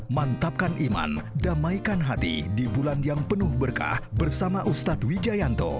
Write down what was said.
mantapkan iman damaikan hati di bulan yang penuh berkah bersama ustadz wijayanto